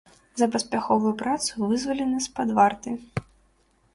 За паспяховую працу вызвалены з-пад варты.